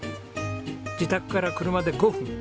自宅から車で５分。